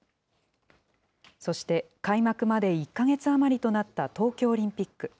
そして、開幕まで１か月余りとなった東京オリンピック。